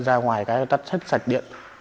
ra ngoài cái tắt hết sạch điện